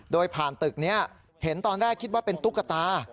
โดยผ่านตึกนี้เห็นตอนแรกคิดว่าเป็นตุ๊กตา